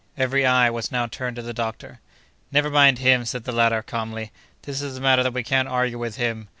Every eye was now turned to the doctor. "Never mind him!" said the latter, calmly. "This is a matter that we can't argue with him.